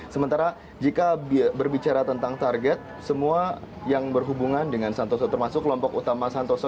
sementara jika berbicara tentang target semua yang berhubungan dengan santoso termasuk kelompok utama santoso